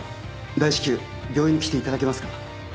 大至急病院に来ていただけますか？